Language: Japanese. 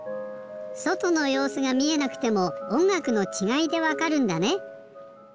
そとのようすがみえなくてもおんがくのちがいでわかるんだね。